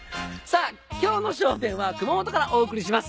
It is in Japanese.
さぁ今日の『笑点』は熊本からお送りします。